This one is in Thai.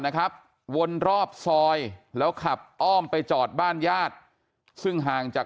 นะครับวนรอบซอยแล้วขับอ้อมไปจอดบ้านญาติซึ่งห่างจาก